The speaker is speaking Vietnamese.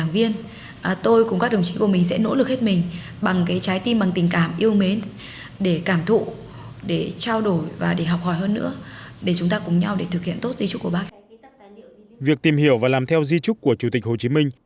việc tìm hiểu và làm theo di trúc của chủ tịch hồ chí minh